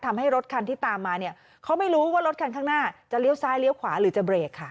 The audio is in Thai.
ทำให้รถคันที่ตามมาเนี่ยเขาไม่รู้ว่ารถคันข้างหน้าจะเลี้ยวซ้ายเลี้ยวขวาหรือจะเบรกค่ะ